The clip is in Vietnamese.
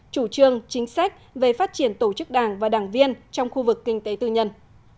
chủ trương chính sách về phát triển tổ chức đảng và đảng viên trong khu vực kinh tế tư nhân